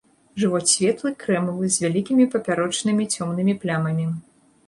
Жывот светлы, крэмавы, з вялікімі папярочнымі цёмнымі плямамі.